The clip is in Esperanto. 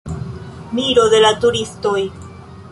Miro de la turistoj.